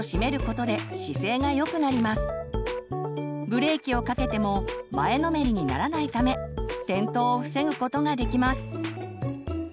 ブレーキをかけても前のめりにならないため転倒を防ぐことができます。